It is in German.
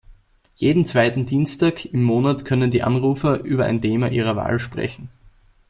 Jeden zweiten Dienstag im Monat können die Anrufer über ein Thema ihrer Wahl sprechen.